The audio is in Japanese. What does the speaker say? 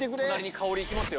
香りいきますよ。